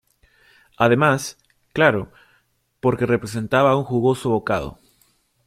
Además, claro, porque representaba un jugoso bocado.